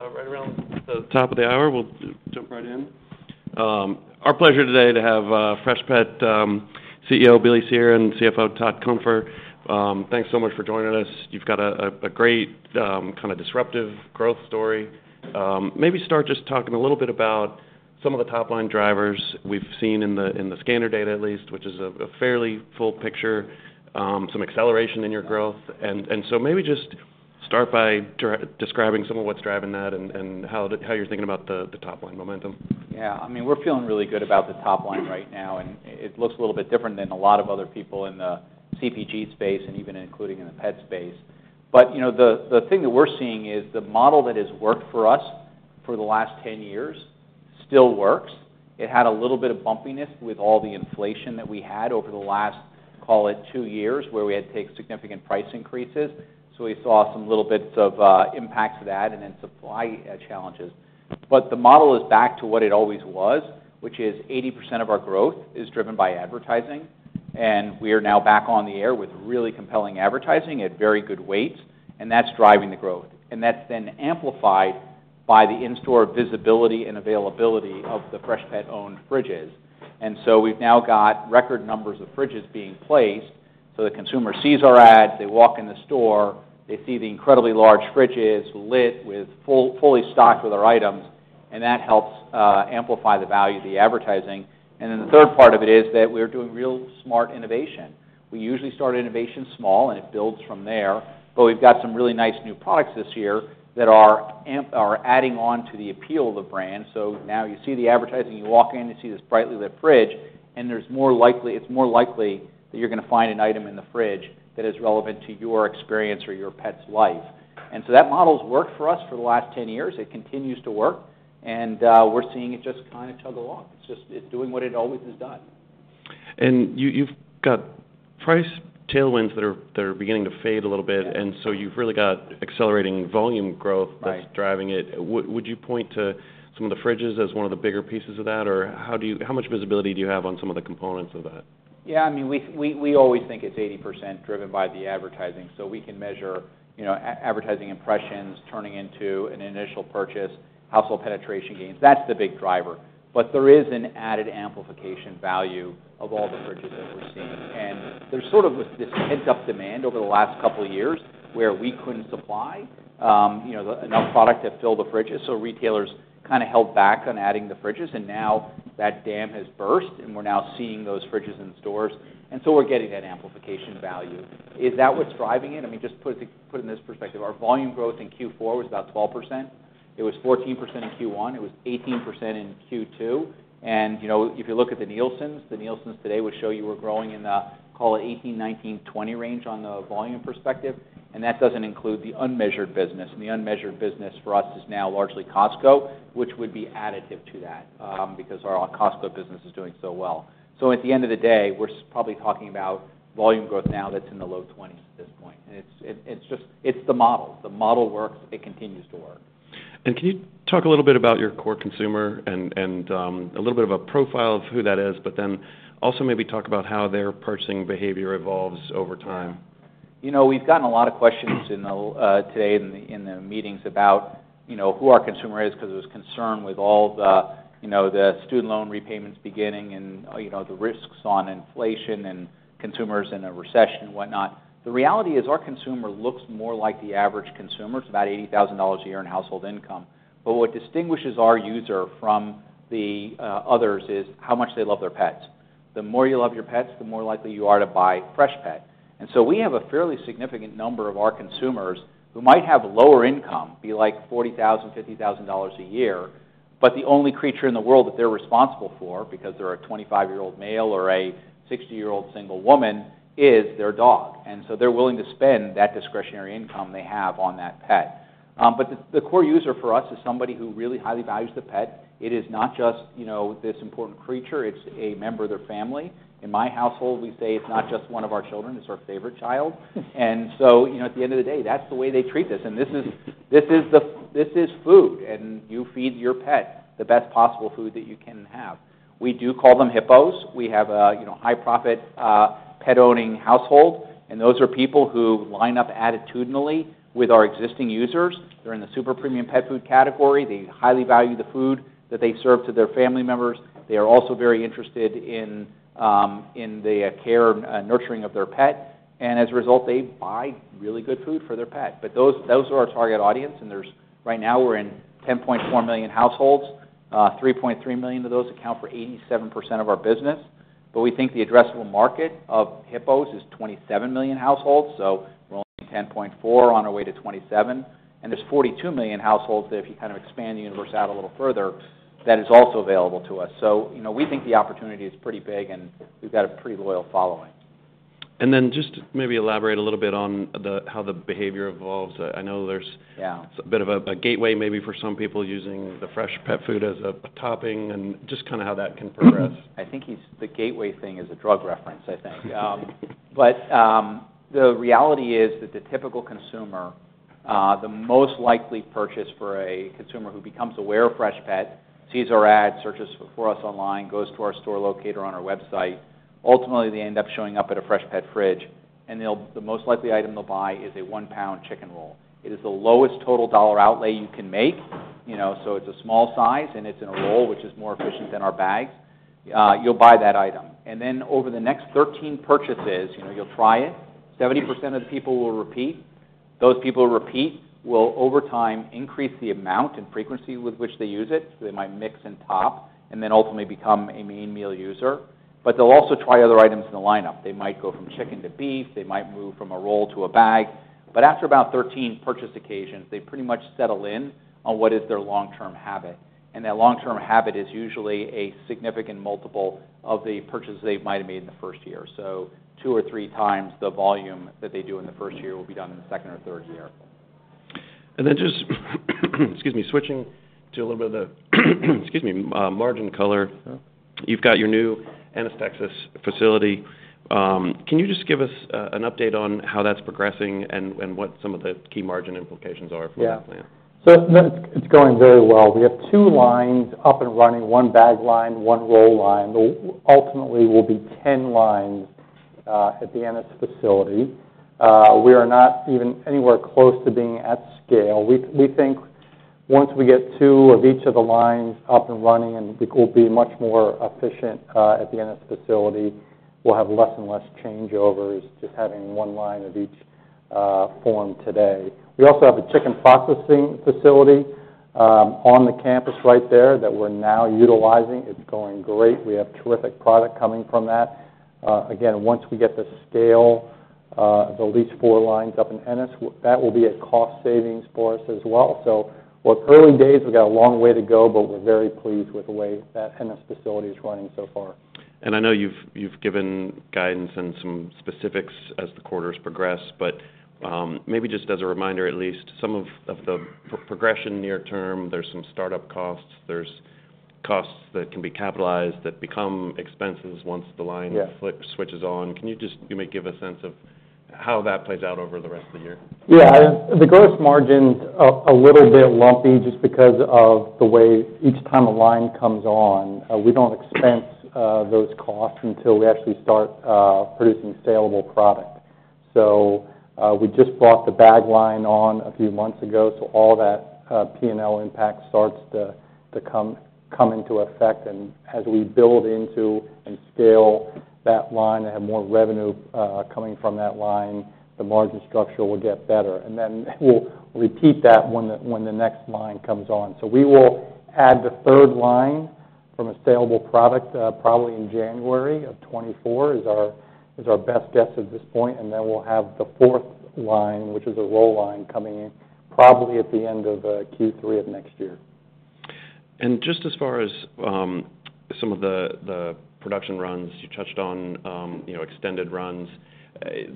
Right around the top of the hour, we'll jump right in. Our pleasure today to have Freshpet CEO Billy Cyr and CFO Todd Cunfer. Thanks so much for joining us. You've got a great kind of disruptive growth story. Maybe start just talking a little bit about some of the top-line drivers we've seen in the scanner data, at least, which is a fairly full picture, some acceleration in your growth. And so maybe just start by describing some of what's driving that and how you're thinking about the top-line momentum. Yeah, I mean, we're feeling really good about the top line right now, and it looks a little bit different than a lot of other people in the CPG space and even including in the pet space. But, you know, the thing that we're seeing is the model that has worked for us for the last 10 years still works. It had a little bit of bumpiness with all the inflation that we had over the last, call it, two years, where we had to take significant price increases. So we saw some little bits of impacts of that and then supply challenges. But the model is back to what it always was, which is 80% of our growth is driven by advertising, and we are now back on the air with really compelling advertising at very good weight, and that's driving the growth. And that's then amplified by the in-store visibility and availability of the Freshpet-owned fridges. And so we've now got record numbers of fridges being placed, so the consumer sees our ads, they walk in the store, they see the incredibly large fridges lit with fully stocked with our items, and that helps amplify the value of the advertising. And then the third part of it is that we're doing real smart innovation. We usually start innovation small, and it builds from there, but we've got some really nice new products this year that are adding on to the appeal of the brand. So now you see the advertising, you walk in, you see this brightly lit fridge, and it's more likely that you're gonna find an item in the fridge that is relevant to your experience or your pet's life. So that model's worked for us for the last 10 years. It continues to work, and we're seeing it just kind of chug along. It's just doing what it always has done. You've got price tailwinds that are beginning to fade a little bit, and so you've really got accelerating volume growth- Right that's driving it. Would you point to some of the fridges as one of the bigger pieces of that, or how much visibility do you have on some of the components of that? Yeah, I mean, we always think it's 80% driven by the advertising. So we can measure, you know, advertising impressions turning into an initial purchase, household penetration gains. That's the big driver. But there is an added amplification value of all the fridges that we're seeing. And there sort of was this pent-up demand over the last couple of years where we couldn't supply, you know, enough product to fill the fridges, so retailers kind of held back on adding the fridges, and now that dam has burst, and we're now seeing those fridges in stores, and so we're getting that amplification value. Is that what's driving it? I mean, just put it in this perspective, our volume growth in Q4 was about 12%. It was 14% in Q1, it was 18% in Q2, and, you know, if you look at the Nielsen, the Nielsen's today would show you we're growing in the, call it, 18-20 range on the volume perspective, and that doesn't include the unmeasured business. The unmeasured business for us is now largely Costco, which would be additive to that, because our Costco business is doing so well. So at the end of the day, we're probably talking about volume growth now that's in the low 20s at this point. And it's just the model. The model works, it continues to work. Can you talk a little bit about your core consumer and a little bit of a profile of who that is, but then also maybe talk about how their purchasing behavior evolves over time? You know, we've gotten a lot of questions in the meetings about, you know, who our consumer is, because there was concern with all the, you know, the student loan repayments beginning and, you know, the risks on inflation and consumers in a recession and whatnot. The reality is, our consumer looks more like the average consumer. It's about $80,000 a year in household income. But what distinguishes our user from the others is how much they love their pets. The more you love your pets, the more likely you are to buy Freshpet. So we have a fairly significant number of our consumers who might have lower income, be like $40,000-$50,000 a year, but the only creature in the world that they're responsible for, because they're a 25-year-old male or a 60-year-old single woman, is their dog. So they're willing to spend that discretionary income they have on that pet. But the core user for us is somebody who really highly values the pet. It is not just, you know, this important creature, it's a member of their family. In my household, we say it's not just one of our children, it's our favorite child. So, you know, at the end of the day, that's the way they treat this. And this is food, and you feed your pet the best possible food that you can have. We do call them HIPPOs. We have a, you know, high profit pet-owning household, and those are people who line up attitudinally with our existing users. They're in the super premium pet food category. They highly value the food that they serve to their family members. They are also very interested in the care and nurturing of their pet, and as a result, they buy really good food for their pet. Those are our target audience, and right now, we're in 10.4 million households. Three point three million of those account for 87% of our business. We think the addressable market of HIPPOs is 27 million households, so we're only 10.4, on our way to 27. There's 42 million households that, if you kind of expand the universe out a little further, that is also available to us. So, you know, we think the opportunity is pretty big, and we've got a pretty loyal following. Then just maybe elaborate a little bit on how the behavior evolves. I know there's- Yeah a bit of a gateway maybe for some people using the Freshpet food as a topping, and just kind of how that can progress. I think the gateway thing is a drug reference, I think. But the reality is that the typical consumer, the most likely purchase for a consumer who becomes aware of Freshpet, sees our ad, searches for us online, goes to our store locator on our website. Ultimately, they end up showing up at a Freshpet Fridge, and they'll the most likely item they'll buy is a 1 lb chicken roll. It is the lowest total dollar outlay you can make, you know, so it's a small size, and it's in a roll, which is more efficient than our bags. You'll buy that item. And then over the next 13 purchases, you know, you'll try it. 70% of the people will repeat. Those people who repeat will, over time, increase the amount and frequency with which they use it. So they might mix and top, and then ultimately become a main meal user. But they'll also try other items in the lineup. They might go from chicken to beef, they might move from a roll to a bag. But after about 13 purchase occasions, they pretty much settle in on what is their long-term habit, and that long-term habit is usually a significant multiple of the purchases they might have made in the first year. So two or three times the volume that they do in the first year will be done in the second or third year. And then just, excuse me, switching to a little bit of the, excuse me, margin color. You've got your new Ennis, Texas facility. Can you just give us an update on how that's progressing and what some of the key margin implications are for that plan? Yeah. So it's, it's going very well. We have two lines up and running, one bag line, one roll line. There ultimately will be 10 lines at the Ennis facility. We are not even anywhere close to being at scale. We, we think once we get two of each of the lines up and running, and it will be much more efficient at the Ennis facility. We'll have less and less changeovers, just having one line of each form today. We also have a chicken processing facility on the campus right there that we're now utilizing. It's going great. We have terrific product coming from that. Again, once we get the scale of at least four lines up in Ennis, that will be a cost savings for us as well. So we're early days, we've got a long way to go, but we're very pleased with the way that Ennis facility is running so far. I know you've given guidance and some specifics as the quarters progress, but maybe just as a reminder, at least some of the progression near term, there's some startup costs, there's costs that can be capitalized, that become expenses once the line- Yeah switches on. Can you just maybe give a sense of how that plays out over the rest of the year? Yeah. The gross margin's a little bit lumpy, just because of the way each time a line comes on, we don't expense those costs until we actually start producing saleable product. So, we just brought the bag line on a few months ago, so all that P&L impact starts to come into effect. And as we build into and scale that line and have more revenue coming from that line, the margin structure will get better. And then we'll repeat that when the next line comes on. So we will add the third line from a saleable product probably in January of 2024, is our best guess at this point, and then we'll have the fourth line, which is a roll line, coming in probably at the end of Q3 of next year. Just as far as some of the production runs you touched on, you know, extended runs.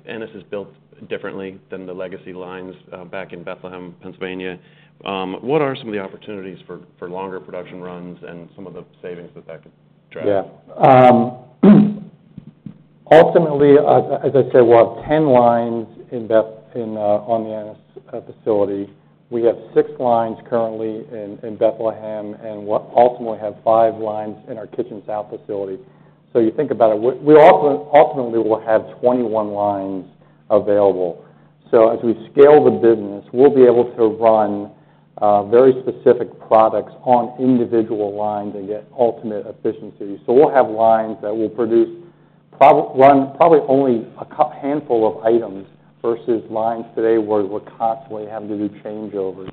Ennis is built differently than the legacy lines back in Bethlehem, Pennsylvania. What are some of the opportunities for longer production runs and some of the savings that could drive? Yeah. Ultimately, as I said, we'll have 10 lines in Bethlehem, on the Ennis facility. We have six lines currently in Bethlehem, and we'll ultimately have five lines in our Kitchen South facility. So you think about it, ultimately will have 21 lines available. So as we scale the business, we'll be able to run very specific products on individual lines and get ultimate efficiency. So we'll have lines that will produce probably only a handful of items versus lines today, where we're constantly having to do changeovers.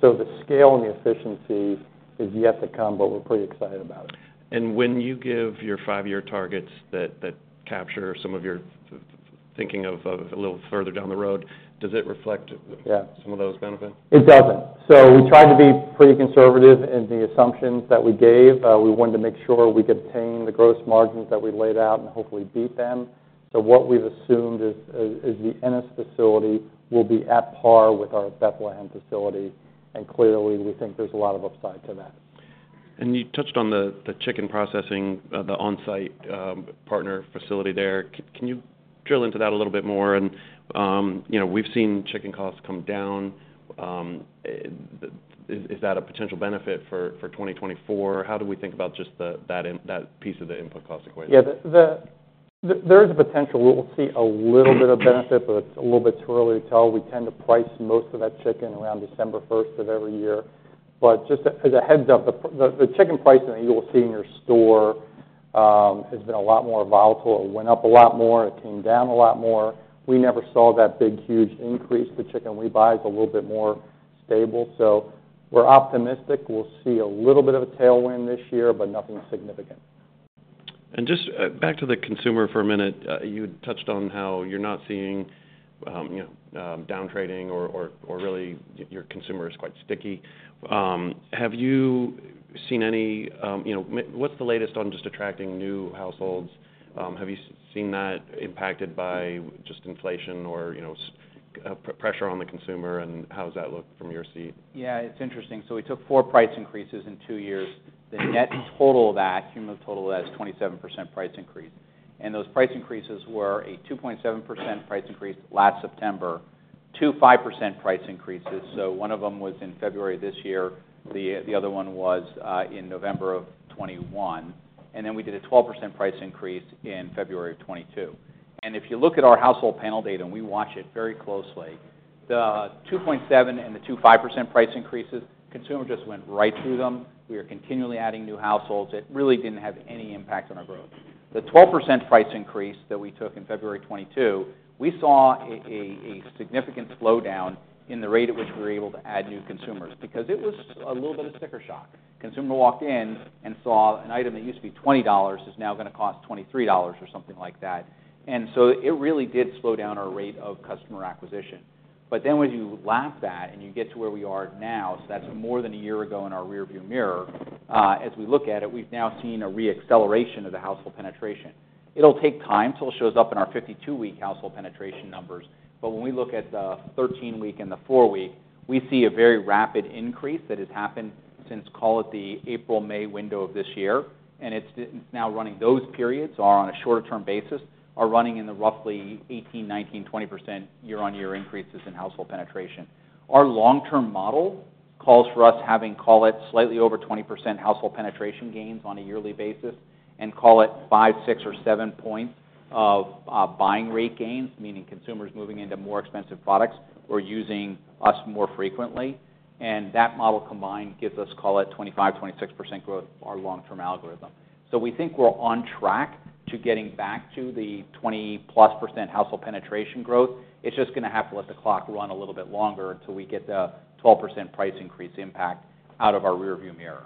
So the scale and the efficiency is yet to come, but we're pretty excited about it. And when you give your five-year targets that capture some of your thinking of a little further down the road, does it reflect- Yeah some of those benefits? It doesn't. So we try to be pretty conservative in the assumptions that we gave. We wanted to make sure we could obtain the gross margins that we laid out and hopefully beat them. So what we've assumed is the Ennis facility will be at par with our Bethlehem facility, and clearly, we think there's a lot of upside to that. And you touched on the chicken processing, the on-site partner facility there. Can you drill into that a little bit more? And, you know, we've seen chicken costs come down. Is that a potential benefit for 2024? How do we think about just that piece of the input cost equation? Yeah, there is a potential. We will see a little bit of benefit, but it's a little bit too early to tell. We tend to price most of that chicken around December first of every year. But just as a heads-up, the chicken pricing that you will see in your store has been a lot more volatile. It went up a lot more, it came down a lot more. We never saw that big, huge increase. The chicken we buy is a little bit more stable, so we're optimistic. We'll see a little bit of a tailwind this year, but nothing significant. Just back to the consumer for a minute. You touched on how you're not seeing you know downtrading or, or, or really, your consumer is quite sticky. Have you seen any you know what's the latest on just attracting new households? Have you seen that impacted by just inflation or, you know, pressure on the consumer, and how does that look from your seat? Yeah, it's interesting. So we took four price increases in two years. The net total of that, cumulative total of that, is 27% price increase. And those price increases were a 2.7% price increase last September to 5% price increases. So one of them was in February this year, the other one was in November of 2021. And then we did a 12% price increase in February of 2022. And if you look at our household panel data, and we watch it very closely, the 2.7% and the 2.5% price increases, consumer just went right through them. We are continually adding new households. It really didn't have any impact on our growth. The 12% price increase that we took in February 2022, we saw a significant slowdown in the rate at which we were able to add new consumers, because it was a little bit of sticker shock. Consumer walked in and saw an item that used to be $20 is now gonna cost $23 or something like that. And so it really did slow down our rate of customer acquisition. But then when you lap that and you get to where we are now, so that's more than a year ago in our rearview mirror, as we look at it, we've now seen a re-acceleration of the household penetration. It'll take time till it shows up in our 52-week household penetration numbers, but when we look at the 13-week and the 4-week, we see a very rapid increase that has happened since, call it, the April-May window of this year, and it's now running those periods, or on a shorter term basis, are running in the roughly 18, 19, 20% year-on-year increases in household penetration. Our long-term model calls for us having, call it, slightly over 20% household penetration gains on a yearly basis, and call it 5, 6, or 7 points of buying rate gains, meaning consumers moving into more expensive products or using us more frequently. And that model combined gives us, call it, 25, 26% growth, our long-term algorithm. So we think we're on track to getting back to the 20%+ household penetration growth. It's just gonna have to let the clock run a little bit longer until we get the 12% price increase impact out of our rearview mirror.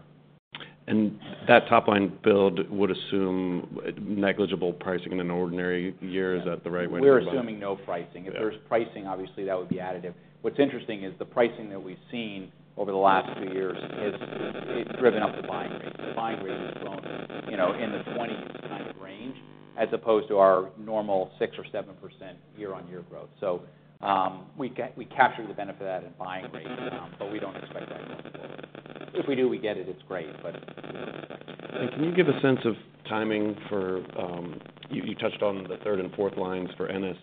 That top-line build would assume negligible pricing in an ordinary year. Is that the right way to go about it? We're assuming no pricing. Yeah. If there's pricing, obviously, that would be additive. What's interesting is the pricing that we've seen over the last few years, it's driven up the buying rate. The buying rate has grown, you know, in the twenties kind of range, as opposed to our normal 6% or 7% year-on-year growth. So, we capture the benefit of that in buying rate, but we don't expect that going forward. If we do, we get it, it's great, but... Can you give a sense of timing for, you touched on the third and fourth lines for Ennis.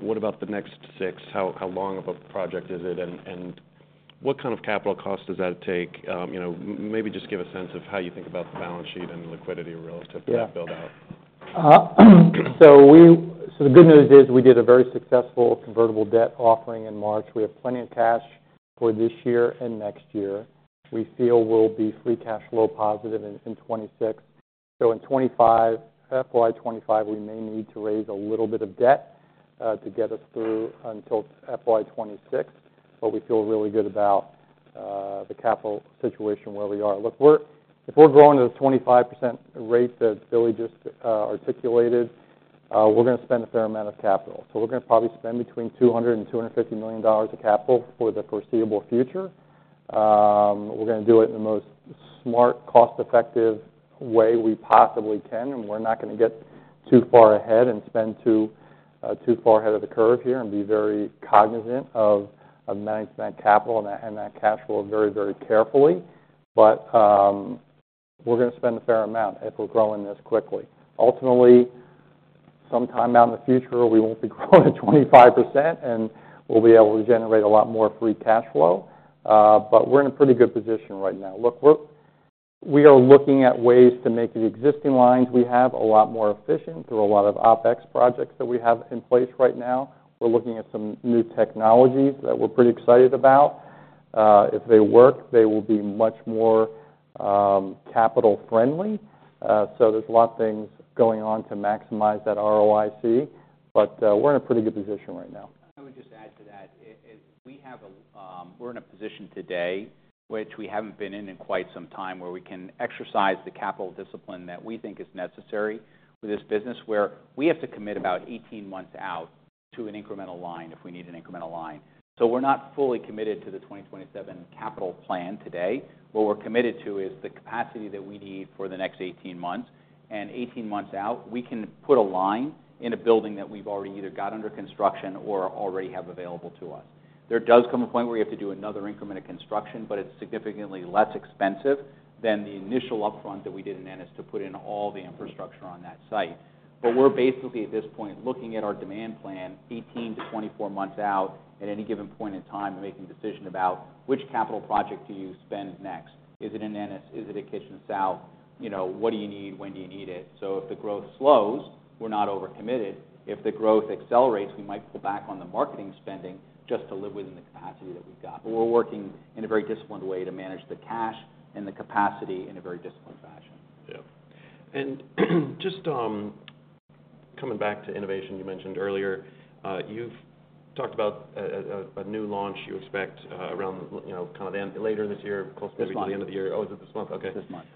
What about the next six? How long of a project is it, and what kind of capital cost does that take? You know, maybe just give a sense of how you think about the balance sheet and the liquidity relative- Yeah to that build-out. So the good news is, we did a very successful convertible debt offering in March. We have plenty of cash for this year and next year. We feel we'll be free cash flow positive in 2026. So in 2025, FY 2025, we may need to raise a little bit of debt to get us through until FY 2026, but we feel really good about the capital situation where we are. Look, if we're growing at a 25% rate that Billy just articulated, we're gonna spend a fair amount of capital. So we're gonna probably spend between $200 million and $250 million of capital for the foreseeable future. We're gonna do it in the most smart, cost-effective way we possibly can, and we're not gonna get too far ahead and spend too far ahead of the curve here and be very cognizant of managing that capital and that cash flow very, very carefully. But, we're gonna spend a fair amount if we're growing this quickly. Ultimately, sometime out in the future, we won't be growing at 25%, and we'll be able to generate a lot more free cash flow. But we're in a pretty good position right now. Look, we are looking at ways to make the existing lines we have a lot more efficient through a lot of OpEx projects that we have in place right now. We're looking at some new technologies that we're pretty excited about. If they work, they will be much more capital friendly. So there's a lot of things going on to maximize that ROIC, but we're in a pretty good position right now. I would just add to that. If we have a, we're in a position today, which we haven't been in in quite some time, where we can exercise the capital discipline that we think is necessary for this business, where we have to commit about 18 months out to an incremental line if we need an incremental line. So we're not fully committed to the 2027 capital plan today. What we're committed to is the capacity that we need for the next 18 months, and 18 months out, we can put a line in a building that we've already either got under construction or already have available to us. There does come a point where we have to do another increment of construction, but it's significantly less expensive than the initial upfront that we did in Ennis to put in all the infrastructure on that site. But we're basically, at this point, looking at our demand plan 18-24 months out at any given point in time, and making a decision about which capital project do you spend next? Is it in Ennis? Is it in Kitchen South? You know, what do you need? When do you need it? So if the growth slows, we're not overcommitted. If the growth accelerates, we might pull back on the marketing spending, just to live within the capacity that we've got. But we're working in a very disciplined way to manage the cash and the capacity in a very disciplined fashion. Yeah. And just, coming back to innovation, you mentioned earlier, you've talked about a new launch you expect, around, you know, kind of end later this year, close to- This month. Maybe the end of the year. Oh, is it this month? Okay. This month.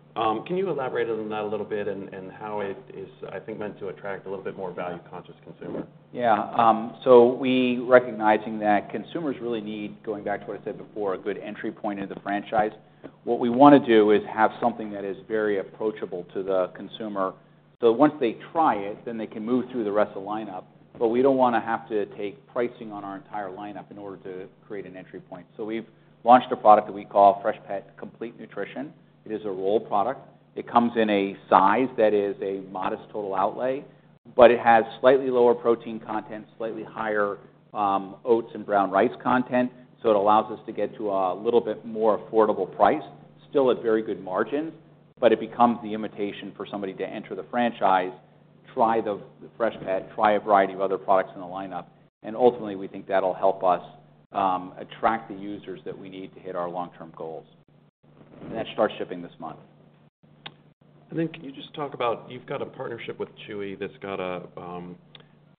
Can you elaborate on that a little bit and how it is, I think, meant to attract a little bit more value-conscious consumer? Yeah, so we recognizing that consumers really need, going back to what I said before, a good entry point into the franchise. What we wanna do is have something that is very approachable to the consumer, so once they try it, then they can move through the rest of the lineup, but we don't wanna have to take pricing on our entire lineup in order to create an entry point. So we've launched a product that we call Freshpet Complete Nutrition. It is a roll product. It comes in a size that is a modest total outlay, but it has slightly lower protein content, slightly higher, oats and brown rice content, so it allows us to get to a little bit more affordable price. Still a very good margin, but it becomes the invitation for somebody to enter the franchise, try the Freshpet, try a variety of other products in the lineup, and ultimately, we think that'll help us attract the users that we need to hit our long-term goals. That starts shipping this month. Then, can you just talk about, you've got a partnership with Chewy that's got a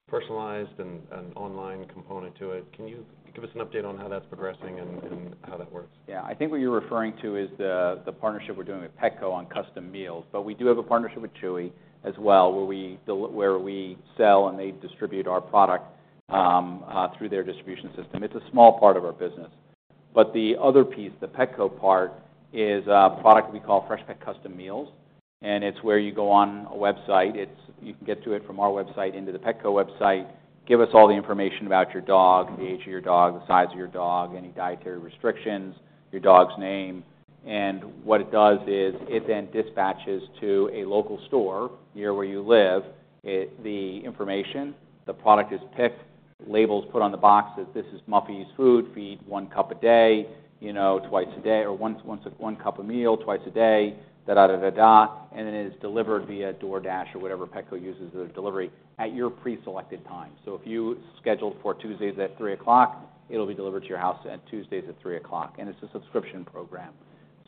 personalized and online component to it. Can you give us an update on how that's progressing and how that works? Yeah. I think what you're referring to is the partnership we're doing with Petco on custom meals. But we do have a partnership with Chewy as well, where we sell and they distribute our product through their distribution system. It's a small part of our business. But the other piece, the Petco part, is a product we call Freshpet Custom Meals, and it's where you go on a website. It's you can get to it from our website into the Petco website, give us all the information about your dog, the age of your dog, the size of your dog, any dietary restrictions, your dog's name. And what it does is, it then dispatches to a local store near where you live, the information. The product is picked, labels put on the box, that this is Muffy's food. Feed one cup a day, you know, twice a day, or once, one cup a meal twice a day, and then it is delivered via DoorDash or whatever Petco uses as their delivery at your pre-selected time. So if you scheduled for Tuesdays at three o'clock, it'll be delivered to your house at Tuesdays at three o'clock, and it's a subscription program.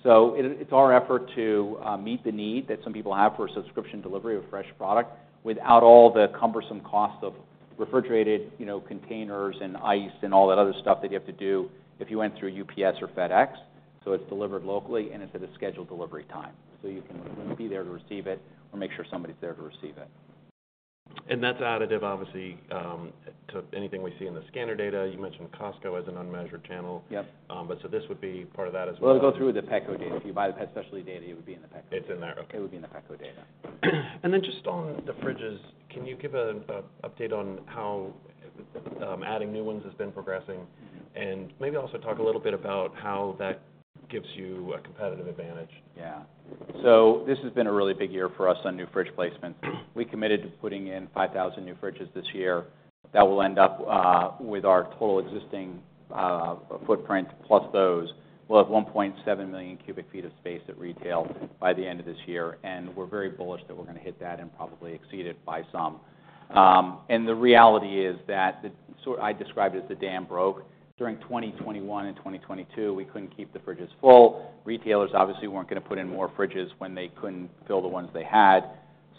So it, it's our effort to meet the need that some people have for a subscription delivery of fresh product, without all the cumbersome costs of refrigerated, you know, containers and ice and all that other stuff that you have to do if you went through UPS or FedEx. So it's delivered locally, and it's at a scheduled delivery time, so you can be there to receive it or make sure somebody's there to receive it. That's additive, obviously, to anything we see in the scanner data. You mentioned Costco as an unmeasured channel. Yep. This would be part of that as well? Well, it'll go through the Petco data. If you buy the pet specialty data, it would be in the Petco data. It's in there. Okay. It would be in the Petco data. Then just on the fridges, can you give a update on how adding new ones has been progressing? Maybe also talk a little bit about how that gives you a competitive advantage. Yeah. So this has been a really big year for us on new fridge placements. We committed to putting in 5,000 new fridges this year. That will end up with our total existing footprint, plus those. We'll have 1.7 million cubic feet of space at retail by the end of this year, and we're very bullish that we're gonna hit that and probably exceed it by some. And the reality is that I described it as the dam broke. During 2021 and 2022, we couldn't keep the fridges full. Retailers obviously weren't gonna put in more fridges when they couldn't fill the ones they had.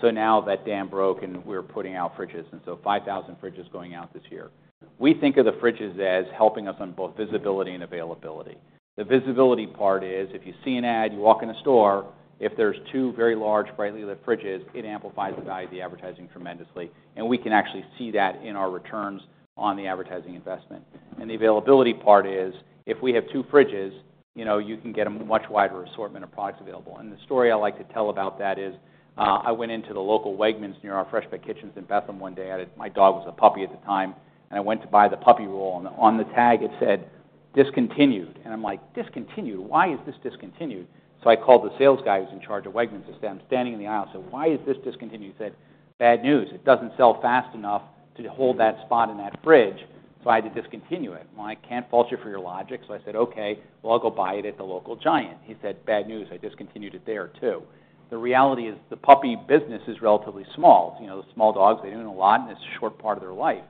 So now that dam broke, and we're putting out fridges, and so 5,000 fridges going out this year. We think of the fridges as helping us on both visibility and availability. The visibility part is, if you see an ad, you walk in a store, if there's two very large, brightly lit fridges, it amplifies the value of the advertising tremendously, and we can actually see that in our returns on the advertising investment. The availability part is, if we have two fridges, you know, you can get a much wider assortment of products available. The story I like to tell about that is, I went into the local Wegmans near our Freshpet Kitchens in Bethlehem one day. I had, my dog was a puppy at the time, and I went to buy the puppy roll, and on the tag, it said, "Discontinued." I'm like, "Discontinued? Why is this discontinued?" So I called the sales guy who's in charge of Wegmans and said, "I'm standing in the aisle, so why is this discontinued?" He said, "Bad news. It doesn't sell fast enough to hold that spot in that fridge, so I had to discontinue it." Well, I can't fault you for your logic, so I said, "Okay, well, I'll go buy it at the local Giant." He said, "Bad news. I discontinued it there, too." The reality is, the puppy business is relatively small. You know, the small dogs, they don't live a lot, and it's a short part of their life.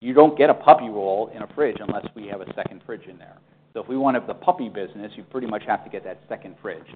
You don't get a puppy roll in a fridge unless we have a second fridge in there. So if we wanted the puppy business, you pretty much have to get that second fridge.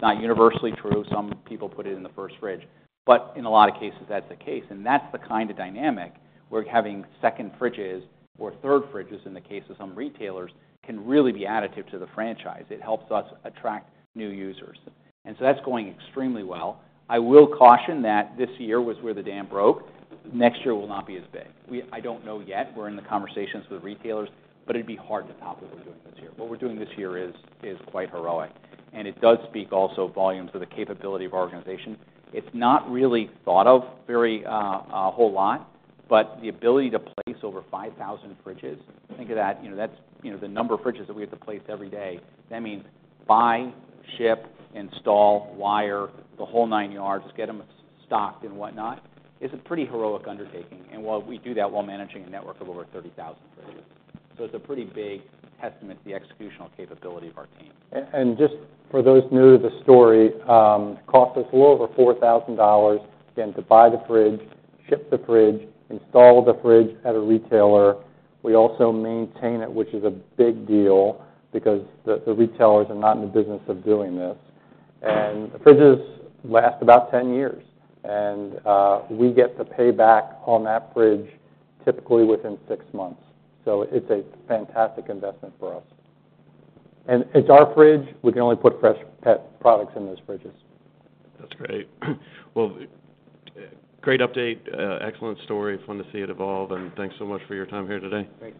Not universally true; some people put it in the first fridge, but in a lot of cases, that's the case. And that's the kind of dynamic where having second fridges, or third fridges in the case of some retailers, can really be additive to the franchise. It helps us attract new users. And so that's going extremely well. I will caution that this year was where the dam broke. Next year will not be as big. We... I don't know yet. We're in the conversations with retailers, but it'd be hard to top what we're doing this year. What we're doing this year is quite heroic, and it does speak also volumes to the capability of our organization. It's not really thought of very, a whole lot, but the ability to place over 5,000 fridges, think of that. You know, that's, you know, the number of fridges that we have to place every day. That means buy, ship, install, wire, the whole nine yards, get them stocked and whatnot. It's a pretty heroic undertaking, and while we do that while managing a network of over 30,000 fridges. So it's a pretty big testament to the executional capability of our team. Just for those new to the story, it costs us a little over $4,000, again, to buy the fridge, ship the fridge, install the fridge at a retailer. We also maintain it, which is a big deal because the retailers are not in the business of doing this. The fridges last about 10 years, and we get the payback on that fridge typically within six months. So it's a fantastic investment for us. And it's our fridge, we can only put Freshpet products in those fridges. That's great. Well, great update, excellent story. Fun to see it evolve, and thanks so much for your time here today.